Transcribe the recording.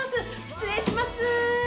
失礼します。